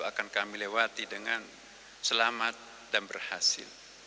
akan kami lewati dengan selamat dan berhasil